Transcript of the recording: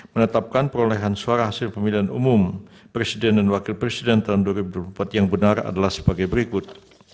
menetapkan perolehan suara hasil pemilihan umum presiden dan wakil presiden tahun dua ribu dua puluh empat yang benar adalah sebagai berikut